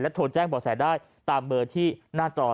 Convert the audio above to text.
โทรแจ้งบ่อแสได้ตามเบอร์ที่หน้าจอ